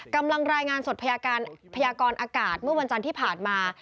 รายงานสดพยากรอากาศเมื่อวันจันทร์ที่ผ่านมา